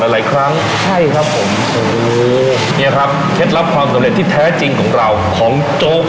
อะหลายครั้งใช่ครับผมเนี้ยครับเท็จรับความสำเร็จที่แท้จริงของเราของจก